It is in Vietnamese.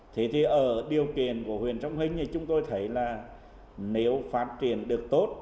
thì ở điều kiện của huyền trong hình thì chúng tôi thấy là nếu phát triển được tốt